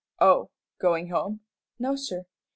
"Oh, going home?" "No, sir."